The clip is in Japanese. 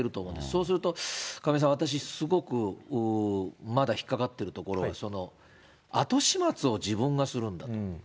そうすると亀井さん、私、すごくまだ引っ掛かっているところ、後始末を自分がするんだと。